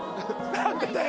何でだよ？